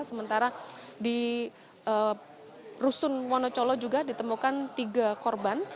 sementara di rusun wonocolo juga ditemukan tiga korban